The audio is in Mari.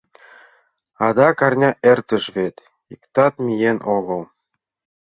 Адак арня эртыш вет, иктат миен огыл.